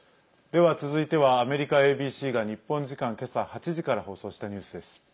では続いてはアメリカＡＢＣが日本時間、今朝８時から放送したニュースです。